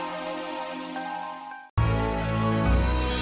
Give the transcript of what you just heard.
seangkadanya mau dikulem jakual gebruik ayam juga sangat baik